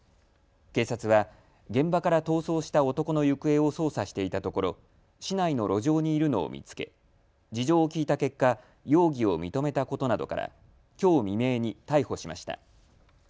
警察は現場から逃走した男の行方を捜査していたところ市内の路上にいるのを見つけ事情を聞いた結果、容疑を認めたことなどからきょう未明に逮捕しました。